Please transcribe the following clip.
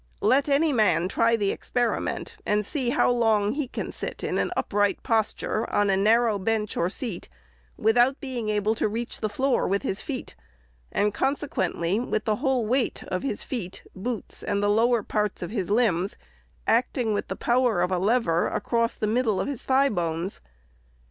Let any man try the experiment, and see how long he can sit in an upright posture, on a narrow bench or seat, without being able to reach the floor with his feet, and consequently witli the whole weight of his feet, boots, and the lower parts of the lirnbs, acting with the power of a lever across the middle of the thigh bones.